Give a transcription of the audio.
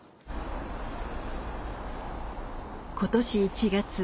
今年１月。